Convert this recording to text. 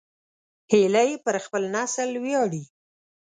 هیلۍ پر خپل نسل ویاړي